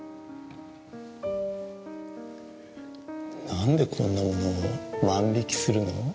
何でこんなものを万引きするの？